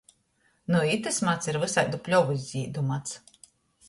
Nu itys mads ir vysaidu pļovys zīdu mads.